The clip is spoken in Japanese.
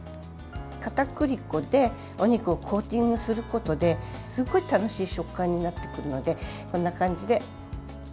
かたくり粉でお肉をコーティングすることですごい楽しい食感になってくるので、こんな感じで。